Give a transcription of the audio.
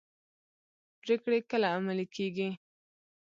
پریکړې کله عملي کیږي؟